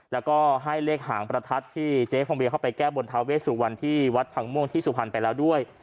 แล้วก็ให้เลขหางประทัดที่เจ๊ฟองเวียเข้าไปแก้บนทาเวสุวรรณที่วัดพังม่วงที่สุพรรณไปแล้วด้วย